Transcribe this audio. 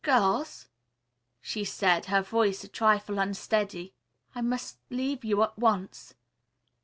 "Girls," she said, her voice a trifle unsteady, "I must leave you at once.